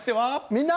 「みんな！